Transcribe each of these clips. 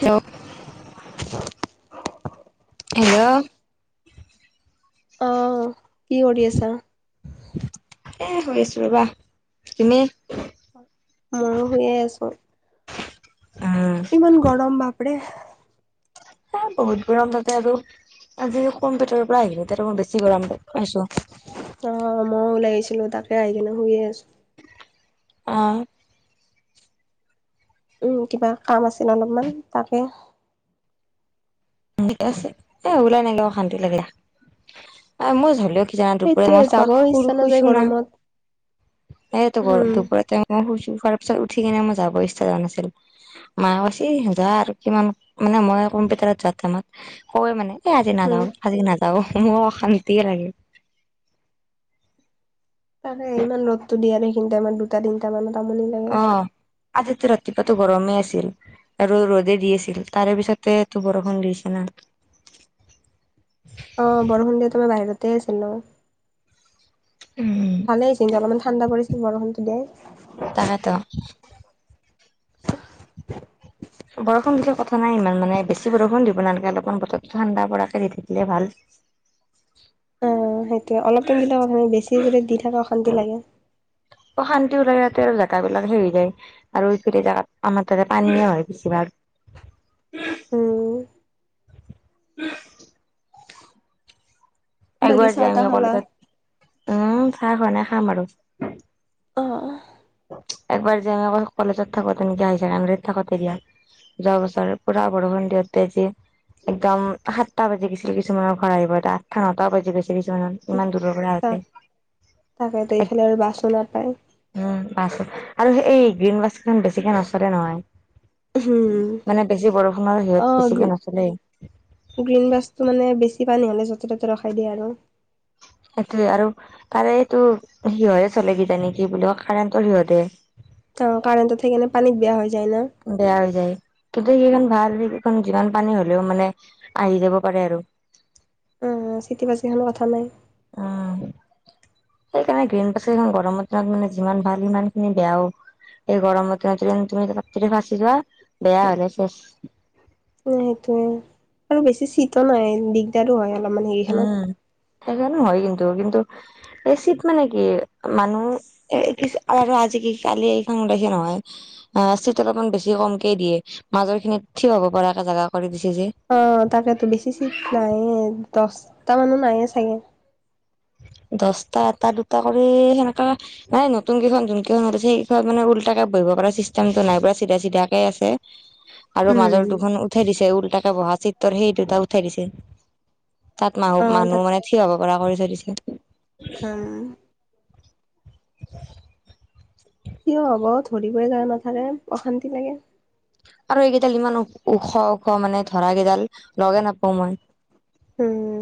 Hello hello অ', কি কৰি আছা? এ শুই আছো ৰবা তুমি? ময়ো শুইয়ে আছো। উম, ইমান গৰম বাপৰে এ বহুত গৰম তাতে আৰু আজি কম্পিউটাৰৰ পৰা আহিলোঁ তাতে মই বেছি গৰম পাইছো। অ', ময়ো ওলাই আহিছিলোঁ তাকে আহি কিনে শুইয়ে আছো। অ', কিবা কাম আছিল অলপমান তাকে ঠিকে আছে এ ওলাই নাহিলেও অশান্তি লাগে, মোৰ ধৰিল' জানা দুপৰীয়া সেইটোয়ে মই যাব পুৰা ইচ্ছা নাযায় শুইছো না গৰমত। সেতো কৰো উম, দুপৰীয়া মই শুইচো শোৱাৰ পিছত উঠি কিনে মই যাব ইচ্ছা যোৱা নাছিল। মায়ে কৈছে যা আৰু কিমান মানে মই কম্পিউটাৰত যোৱা টাইমত কওয়ে মানে এ আজি উম, নাযাওঁ আজি নাযাওঁ মোৰ অশান্তিয়ে লাগে তাকে ইমান ৰদটো দিয়া সেইখিনি টাইমত দুটা তিনিটা মানত আমনি লাগে। অ', আজিতো ৰাতিপুৱাটো গৰমেই আছিল। আৰু ৰ'দে দি আছিল তাৰে পিছতেটো বৰষুণ দিছে না। অ', বৰষুণ দিওঁতে মই বাহিৰতে আছিলোঁ। ভালে হৈছে এতিয়া অলপমান ঠাণ্ডা পৰিছে বৰষুণতো দে তাকেতো [inaudible] বৰষুণ দিলে কথা নাই ইমান মানে বেছি বৰষুণ দিব নালগে অলপমান বতৰটো ঠাণ্ডা পৰাকে দি থাকিলে ভাল। অ', সেইটোয়ে অলপ টাইম দিলে কথা নাই বেছি যদি দি থাকে অশান্তি লাগে। অশান্তি ওলাই যাওঁতে জেগাবিলাক হেৰি যায় আৰু সেইফালে জেগাত আমাৰ তাতে পানীয়েই হয় বেছিভাগ উম, [inaudible] বাকী একবাৰ যে চাহ আমি তাহ খালা? অকলে তাত উম, চাহ খোৱা নাই খাম আৰু অ', অ' একবাৰ যে আমি কলেজত থাকো তে নেকি হায়াৰ ছেকেণ্ডেৰীত থাকো তেতিয়া যোৱা বছৰ পুৰা বৰষূণ দিওঁতে যে একদম সাতটা বাজি গৈছিলে কিছুমানৰ ঘৰ আহিব এটা আঠটা নটা বাজি গৈছে কিছুমানত ইমান দূৰৰ [unintelligible] তাকেটো এইফালে আৰু বাছো নাপাই। উম, বাছ আৰু সেই এই গ্ৰীণ বাছখন বেছিকে নচলে নহয় হুম। মানে বেছি বৰষুণৰ সিহঁত অ' গ্ৰী বেছিকে নচলেই গ্ৰীণ বাছটো মানে বেছি পানী নহ'লে য'তে ত'তে ৰখাই দিয়ে আৰু সেইটোৱে আৰু তাৰেটো সিহঁতে চলে কিজানি কি বুলি কয় কাৰেণ্টৰ সিহঁতে অ', কাৰেণ্ট থাকে কাৰণে পানীত বেয়া হৈ যায় ন? বেয়া হৈ যায়, কিন্তু সেইখন ভাল এইখন যিমান পানী হ'লেও মানে আহি যাব পাৰে আৰু। উম, চিটিবছ কেখনো কথা নাই। উম, সেইকাৰণে গ্ৰীণ বাছখন গৰমৰ দিনত মানে যিমান ভাল সিমান খিনি বেয়াও। এই গৰম দিন কিন্ত তুমি ৰাতিৰে ফাঁচি যোৱা বেয়া হলে চেছ। সেইটোয়ে আৰু বেছি চীতো নাই দিগ দিগদাৰু হয় অলপমান হেৰিখনত। উম, সেইকাৰণে হয় কিন্তু কিন্তু এ চিত মানে কি মানুহ কি আৰু আজি কি কালি এই খন [unintelligible] নহয়। অ, চিট অলপমান বেছি কমকেই দিয়ে মাজৰ খিনিত থঠিক হ'ব পৰা একে জোগা কৰি দিছে যে। অ, তাকেতো বেছি চিট নাইে দহটা মানো নাইে চাগে। দচটা এটা, দুটা কৰি সেনেকা। মানে নতুন কেইখন যোন কেইখনছে সেইকেইখন মানে উলতা কে বহিব পৰা চিষ্টেমটো নাই পুৰা চিধা চিধাকে আছে। আৰু মাজৰ উম। দুখন উঠাই দিছে উলটা বহা চিটৰ সেই দুটা উঠাই দিছে। তাত মানুহ, অ' মানুহ তাত মানে থিয় হ'ব পৰা কৰি থৈ দিছে। হম, কিয় হ'ব ধৰিবই যায় নাথাৰে অশান্তি লাগে। আৰু এইকেইডাল ইমান ওখ ওখ মানে ধৰা কেইডাল লগে নাপাওঁ মই। উম,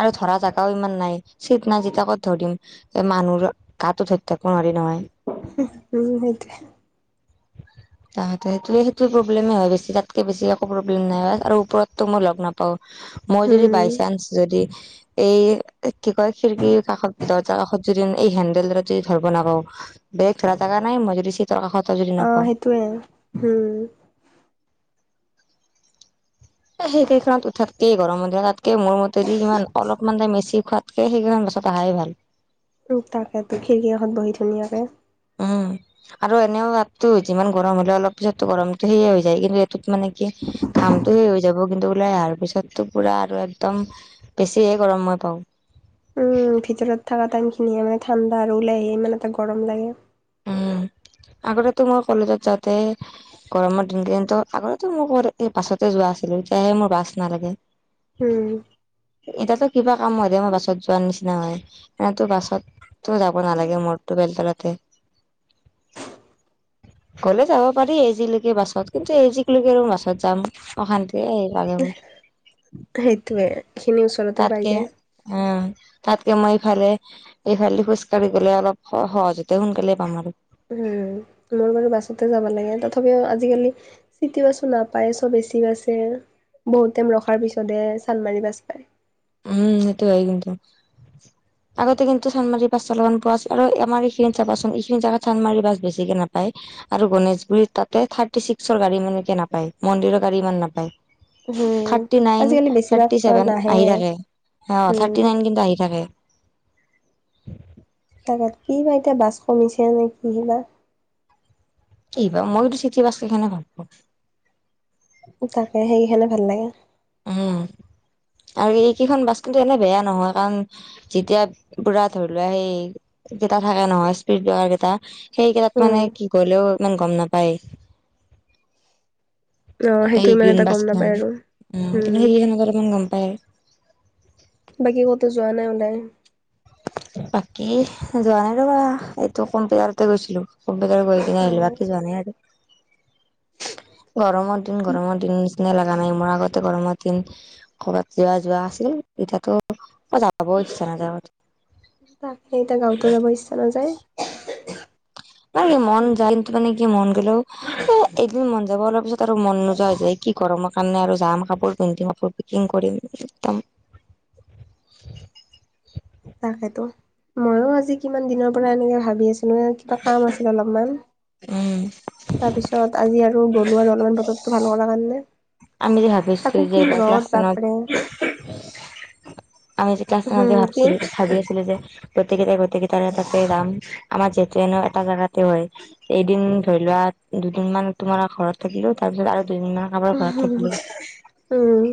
আৰু ধৰা জেগাও ইমান নাই চিট নাই যেত কত ধৰিম। এ মানুহৰ গাতো ধৰি থাকিব নোৱাৰি নহয়। [unintelligible] তাহঁতে সেইটোৱ সেইটোোৱে প্ৰব্লেমে হয় গৈছে তাতক বেছি একো প্ৰবলেম নাই আৰু ওপৰত। তো, মই লগ নাপাও মই যদি উম, বাই চান্স যদি। এই কি কয় খিৰিকীৰ কাষত দৰজাৰ কাষত যদি এই হেন্দেল যদি ধৰিব নাপাওঁ। বেগ ধৰা জাগা নাই মই যদি চিতৰ কাখত যদি নাপাওঁ। তোৱে, হম। এ সেইকেইখনত উঠাতকে ঘৰ মন্দিৰত তাতকে মোৰ মৰি ইমান অলপমান তাই মেচি খোৱাত। সেই সেইগিখন বছত আহাইে ভাল। তাকেো খিৰিকী এখনত বহি ধুনীয়াকে। উম, আৰু এনেও তাতো যিমান গৰম হলে অলপ পিছতো গৰমতটো সেয়ে হৈ যায় কিন্তু এইটোত মানে কি। ঘামটো শেষ হৈ যাব, কিন্তু ওলাই অহাৰ পিছতো পুৰা আৰু একদম বেছিহে গৰমই পাওঁ। উম, ভিতৰত থকা টাইানখিনিে মানে ঠাণ্ডা আৰু ওলাই আহিয়ে ইমান এটা গৰম লাগে। আগতে তো মই কলেজত যাওঁতে। গৰমৰ দিন কেইটাত আগতেো মোৰ বাছতে যোৱা আছিলো তেতিয়াহে মোৰ বাছ নালাগে। উম, এতিাতো কিবা কাম হয় দে মই বাছত যোৱাৰ নিচিনা হয় এনোতো বাছত। তো, যাব নলাগে মোৰটো বেল তলাতে। গ'লে যাব পাৰি এইজিলৈকে বাছত কিন্তু এইজিক লকে বাছত যাম অশান্তিে আহ। সেইটোৱে এইখিনি ওচৰতে পাই যায়। অ, তাতকে মই ইফালে ইফালে খোজ কঢ়ি গ'লে অলপ সহজতে সোনকালে। [inaudible] উম, মোৰ বাৰু বাছতে যাব লাগে তথাপিও আজিকালি। চিটি বাছো নাপায় চব এচি বাছেই বহুত টাইম ৰখাৰ পিছতহে চানমাৰি বাছ পায়। উ, সেইটো হয় কিন্তু। আগতে কিন্তু চানমাৰী বাছ অলপমান পোৱা আছে আৰু আমাৰ এইখিনি চাবাচোন এইখিনি জেগাত চানদমাৰী বাছ বেছিকে নাপায়। আৰু গণেশগুৰিত তাতে থাৰ্টি ছিক্সৰ গাড়ী ইকে নাপায় মন্দিৰৰ গাড়ী ইমান নাপায়। উম, থাৰ্টি নাইন আজিকালি বেছিভাগ থাৰ্টি চছেভেন নাহে আহি ৰাখে। অ, উম। থাৰ্টি নাইন কিন্তু আহি থাকে। তাত কি বা এতিয়া বাছ কমিছে নে কি বা। কি বা মইতো চিঠি বাাীৰ কেনে ভাল পাওঁ। তাকে সেইে হ'লে ভাল লাগে। উম আৰু এইকেইখন বাছ কিন্তো এনে বেয়া নহয় কাৰণ। যেতিয়া পুৰা ধৰিলোৱা সেই। কেইটা থাকে নহয় স্পীডাৰ কেইটা সেইকেইটাত উম, মানে কি গলেও ইমান গম নাপায়। অ', সেইটো এই ইমান গ্ৰীণ এটা গম বাছখন নাপায় আৰু উম কিন্তু হম। সেইকেইখনত অলপমান গম পায় বাকী ক'তো যোৱা নাই ওলাই? বাকী যোৱা নাই ৰ'বা, এইটো কম্পিউটাৰতে গৈছিলোঁ কম্পিউটাৰ গৈ কিনে আহিলোঁ বাকী যোৱা নাই আৰু। গৰমৰ দিন, অ'। গৰমৰ দিন নিচিনাই লাগা নাই মোৰ আগতে গৰমৰ দিন ক'ৰবাত কিবা যোৱা আছিল এতিয়াতো যাবও ইচ্ছা নাযায় [unintelligible] এতিয়া গাঁৱতো যাব ইচ্ছা নাযায়! [unintelligible] মন যায় মানে কি মন গ'লেও, এদিন মন যাব অলপ পিছত আৰু মন নোযোৱা হৈ যায়। কি গৰমৰ কাৰণে আৰু যাম কাপোৰ পিন্ধিম কাপোৰ পেকিং কৰিম একদম তাকেতো, মইয়ো আজি কিমান দিনৰ পৰা এনেকে ভাবি আছিলোঁ কিবা কাম আছিল অলপমান। উম। তাৰপিছত আজি আৰু গ'লো আৰু অলপমান বতৰটো ভাল কৰাৰ কাৰণে। আমি যে ভাবিছিলো তাক যে কি এইবাৰ ক্লাছ ৰ'দ টেনত বাপৰে। আমি দুটা হম [unintelligible] কি ভাবছিলোঁ। ভাবি আছিলোঁ যে গোটেইকেইটাই, গোটেইকেইটাৰে তাতে যাম আমাৰ যিহেতুে ন এটা জেগাতে হয়। এদিন ধৰি লোৱা দুদিনমান তোমাৰ ঘৰত থাকিলোঁ তাৰপিছত আৰু দুদিনমান [unintelligible] উম।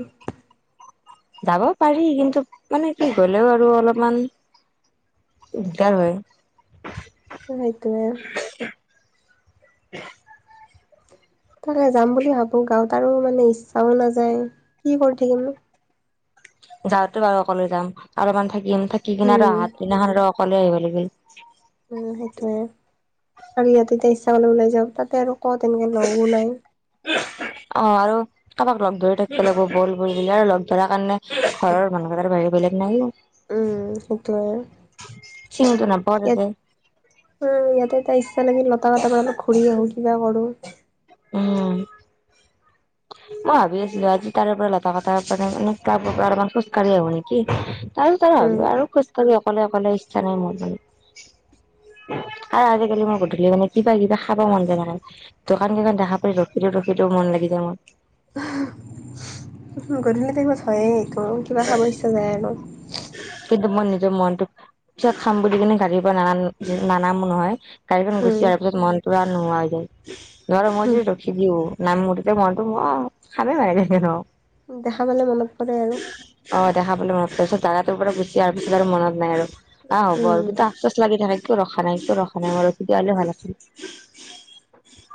যাব পাৰি কিন্তু মানে কি গ'লেও আৰু অলপমান দিগদাৰ হয়। উম, সেইটোৱে। [inaudible] [unintelligible] যাম বুলি ভাবোঁ গাঁৱত আৰু মানে ইচ্ছাও নাযায় কি কৰি থাকিমনো। যাওঁতে বাৰু অকলে যাম, অলপমান থাকিম থাকি কিনে আৰু হম আহাত দিনাখন আৰু অকলে আহিব লাগিল। উম, সেইটোৱে আৰু ইয়াতে এতিয়া ইচ্ছা কৰিলে ওলাই যাওঁ তাতে আৰু ক'ত এনেকে লগও নাই। অ', আৰু কাৰোবাক লগ ধৰি থাকিব লাগিব ব'ল, ব'ল বুলি আৰু লগ ধৰাৰ কাৰণে ঘৰৰ মানুহকেইটাৰ বাহিৰে বেলেগ নাইয়ো। উম, সেইটোৱে। চিনিতো নাপাও ইয়াত তাতে উম, ইয়াতে এতিয়া ইচ্ছা লাগিল লতা, [unintelligible] পৰা অলপ ঘূৰি আহোঁ কিবা কৰোঁ। অ'। মই ভাবি আছিলোঁ আজি তাৰে পৰা লতা কতাৰ পৰা মানে খোজকাঢ়ি আহিব নেকি? আৰু তাৰ উম, [unintelligible] আৰু খোজকাঢ়ি অকলে, অকলে ইচ্ছা নাই মোৰ মানে। আৰু আজিকালি মই গধূলি মানে কিবা কিবা খাবা মন যায় জানা নে ত' দোকানকিটা দেখা পাই ৰখি দিওঁ, ৰখি দিওঁ মন লাগি যায় মোৰ। গধূলি টাইমত হয়ে এইটো কিবা খাব ইচ্ছা যায় আৰু। কিন্তু মই নিজৰ মনটোক পিছত খাম বুলি কিনে গাড়ীৰ পৰা নানা-নানামো নহয়। গাড়ীখন উম, গুচি আহাৰ পিছত মনপোৰা নোহোৱা হৈ যায়। [unintelligible] মই হুম, যদি ৰখি দিওঁ নামো, তেতিয়া মই টো মই খামে [unintelligible] দেখা পালে মনত পৰে আৰু। অ', দেখাপালে মনত পৰে পিছত জাগাটোৰ পৰা গুচি আহাৰ পিছত আৰু মনত নাই আৰু অ', হ'ব আৰু কিন্তু উম, আপচু লাগি থাকে কিয় ৰখা নাই, কিয় ৰখা নাই ৰখি দিয়া হ'লে ভাল আছিল।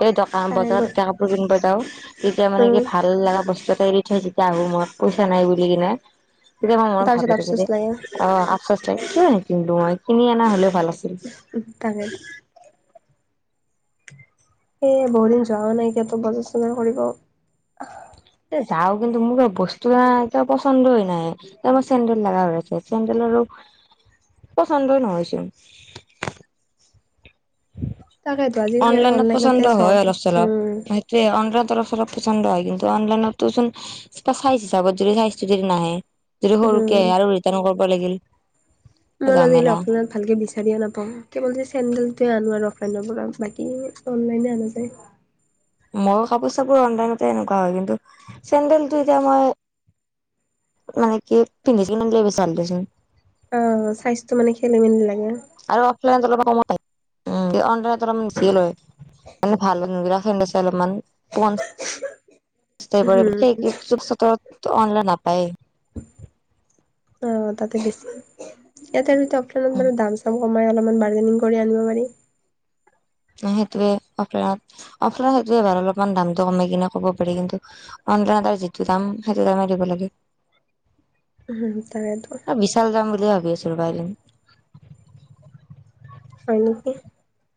এই দকা ন তাৰে বজাৰত গৈ [unintelligible] কাপোৰ কিনিব যাওঁ, তেতিয়া মানে কি উম, ভাল লগা বস্তু এটা এৰি থৈ যেতিয়া আহোঁ মই পইচা নাই বুলি কিনে, তেতিয়া মই মনত ভাবি তাৰপিছত থাকোঁ আফচোচ যে লাগে আপচ'চ [unintelligible] কিন্তু মই কিনি অনা হ'লেও ভাল আছিল। তাকে। এ, বহুদিন যোৱা নাইকিয়াতো বজাৰ চজাৰ কৰিব। এ, যাওঁ কিন্তু মোৰ এই বস্তু এ, [unintelligible] পচন্দই নাই। এতিয়া মোৰ চেণ্ডেল লাগা হৈ আছে, চেণ্ডেলৰো পচন্দই নহয় চোন। তাকেতো আজিকালি আৰু অনলাইনত অনলাইনতে পচন্দ চব হয়, অলপ চলপ। উম, অনলাইন তৰফৰ পচন্দ হয় কিন্তু অনলাইতো চোন তাৰ চাইজ হিচাপত যদি চাইজটো যদি নাহে। যদি সৰুকে উম। আহে আৰু ৰিটাৰ্ণ কৰিব লাগিল। [inaudible] জামেলা ভালকে বিচাৰিয়ে নাপাওঁ কেৱল যে চেণ্ডেলটোৱে আনো আৰু অফলাইনৰ পৰা বাকী অনলাইনে আনা যায়। মই কাপোৰ চাপোৰ অনলাইনতে এনেকুৱা হয়। কিন্তু চেণ্ডেলটো এতিয়া মই মানে কি পিন্ধি কিনে আনিলে বেছি ভাল দেচোন। অ', চাইজটো মানে খেলি মেলি লাগে। আৰু অফলাইনত অলপমান কম উম, অনলাইনত অলপ বেছিয়ে লয় মানে ভাল মানে অলপমান উম, [unintelligible] অনলাইন নাপায়ে। অ', তাতে বেছি ইয়াতে আৰু ইয়াতে আমি অফলাইনত মানে দাম চাম কমাই অলপমান বাৰ্গেনিং কৰি আনিব পাৰি। সেইটোৱে অফলাইনত অফলাইনত সেইটোোৱে বাৰ অলপমান দামটো কমাই কিনে ক'ব পাৰি কিন্তু। অনলাইত আৰু যিটো দাম সেইটো দামে দিব লাগে। উম, তাকেতো। বিশাল যাম বুলি হে ভাবি আছিলো কাইলে। হয় নেকি?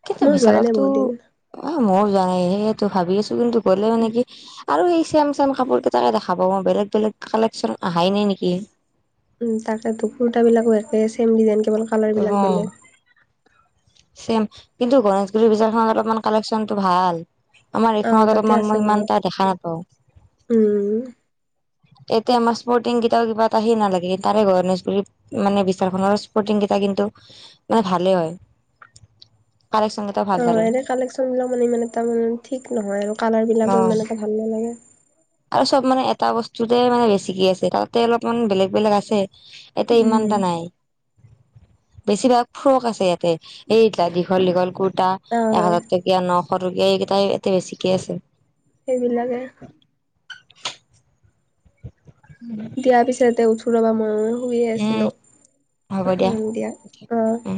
কিন্তু মই যোৱাই নাই বিশালতো বহুত দিন। অ' মইয়ো যোৱা নাই সেইটো ভাবি আছো কিন্তু গ'লে মানে কি আৰু সেই চেম চেম কাপোৰ কেইটাকে দেখা পাওঁ মই বেলেগ বেলেগ কালেকশ্যন আহাই নাই নেকি। উম, তাকেতে কুৰ্তাবলাকো একে চেম ডিজাইন কেৱল। কালাৰ বিলাক উম। বেলেগ। চেম। কিন্তু গণেশগুৰিৰ বিশালখনত অলপমান কালেক্যনটো ভাল। আমাৰ অ এইখনত তাতে অলপমানতত মান আছে মই সিমান বহুত এটা দেখা নাপাওঁ। উম। এতিয়া আমাৰ স্পৰ্টিং কিতটাও কিবা ত আহে নালাগে তাৰে গণেশগুৰিত মানে বিশালখনৰ স্পৰ্টিং কেইটা কিন্তু মানে ভালে হয়। কালেকশন অ', এনে কালেক্যনবিলাক মানে ইমান এটা মানে ঠিক নহয় আৰু অ কালাৰবিলাকো ইমান এটা ভাল নালাগে। আৰু চব মানে এটা বস্তুতে মানে বেছিকে আছে তাতে অলপমান বেলেগ বেলেগ আছে। এতিয়া উম। ইমানটা নাই। বেছিভাগ ফ্ৰক আছে ইয়াতে এইটা দীঘল দীঘল কুৰ্তা। অ এক হাজাৰ টকীয়া নশ টকীয়া এইকেইটাই ইয়াতে বেছিকে আছে। সেইবিলাকে। দিয়াৰ পিছতে উঠো ৰ'বা মই শুইে উম আছিলো। হম দিয়া অ'। উম